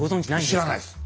知らないです。